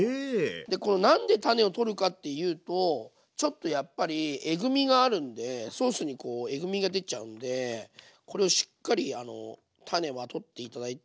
でこの何で種を取るかっていうとちょっとやっぱりえぐみがあるんでソースにえぐみが出ちゃうんでこれをしっかりあの種は取って頂いて。